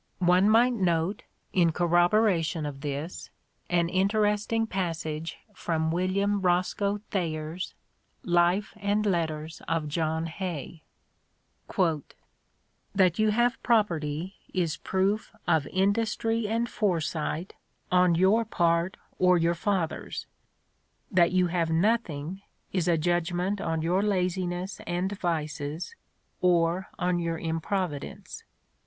One might note, in corroboration of this, an interesting passage from William Roscoe Thayer's "Life and Letters of John Hay": That you have property is proof of industry and foresight on your part or your father's; that you have nothing, is a judg ment on your laziness and vices, or on your improvidence.